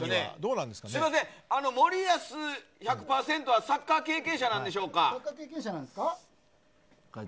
森保１００％はサッカー経験者なんでしょうか？